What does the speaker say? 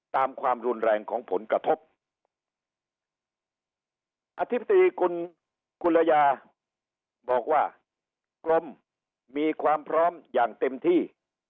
ความรุนแรงของผลกระทบอธิบดีคุณกุลยาบอกว่ากรมมีความพร้อมอย่างเต็มที่